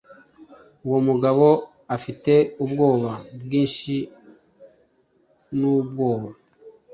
Uwo mugabo afite ubwoba bwinshi nubwoba